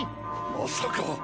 まさか。